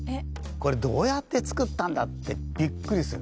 これどうやって作ったんだってびっくりする。